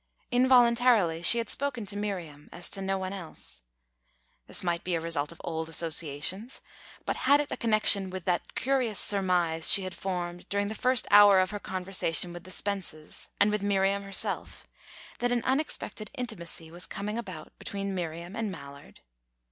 Involuntarily, she had spoken to Miriam as to no one else. This might be a result of old associations. But had it a connection with that curious surmise she had formed during the first hour of her conversation with the Spences, and with Miriam herself that an unexpected intimacy was coming about between Miriam and Mallard?